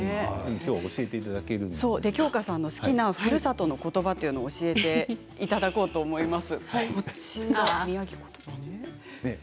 きょう京香さんの好きなふるさとのことばを教えていただきたいと思います。